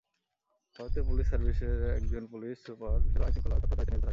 ভারতের পুলিশ সার্ভিসের একজন পুলিশ সুপার জেলার আইন শৃঙ্খলা রক্ষার দায়িত্বে নিয়োজিত থাকেন।